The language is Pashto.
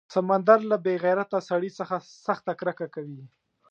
سمندر له بې غیرته سړي څخه سخته کرکه کوي.